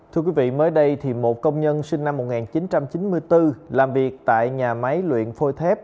thưa quý vị mới đây một công nhân sinh năm một nghìn chín trăm chín mươi bốn làm việc tại nhà máy luyện phôi thép